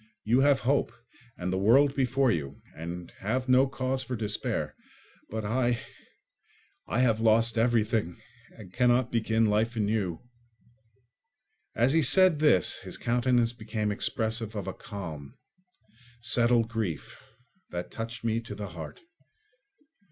You have hope, and the world before you, and have no cause for despair. But I—I have lost everything and cannot begin life anew." As he said this his countenance became expressive of a calm, settled grief that touched me to the heart.